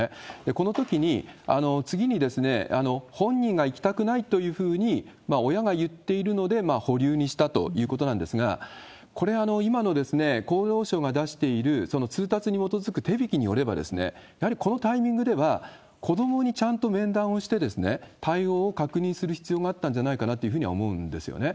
このときに次に本人が行きたくないというふうに親が言っているので、保留にしたということなんですが、これ、今の厚労省が出している通達に基づく手引きによれば、やはりこのタイミングでは、子どもにちゃんと面談をして、対応を確認する必要があったんじゃないかなというふうには思うんですよね。